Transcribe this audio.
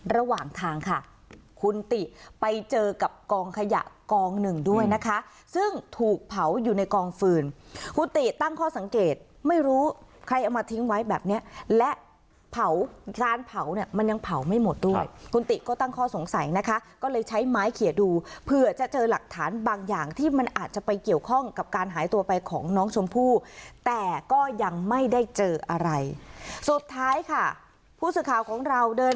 ระหว่างทางค่ะคุณติไปเจอกับกองขยะกองหนึ่งด้วยนะคะซึ่งถูกเผาอยู่ในกองฟืนคุณติตั้งข้อสังเกตไม่รู้ใครเอามาทิ้งไว้แบบเนี้ยและเผาร้านเผาเนี่ยมันยังเผาไม่หมดด้วยคุณติก็ตั้งข้อสงสัยนะคะก็เลยใช้ไม้เขียนดูเผื่อจะเจอหลักฐานบางอย่างที่มันอาจจะไปเกี่ยวข้องกับการหายตัวไปของน้องชมพู่แต่ก็ยังไม่ได้เจออะไรสุดท้ายค่ะผู้สื่อข่าวของเราเดิน